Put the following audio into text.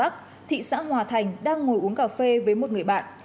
thị xã hòa thành đang ngồi uống cà phê với một người bạn